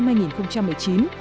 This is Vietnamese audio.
dịch bệnh ảnh hưởng lớn